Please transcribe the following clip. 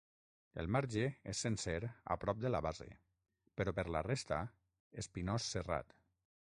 El marge és sencer a prop de la base, però per la resta espinós serrat.